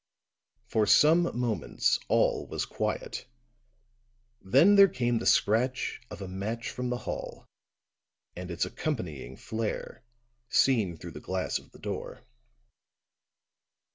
For some moments all was quiet, then there came the scratch of a match from the hall, and its accompanying flare, seen through the glass of the door.